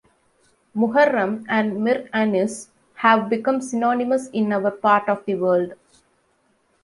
Muharram and Mir Anis have become synonymous in our part of the world.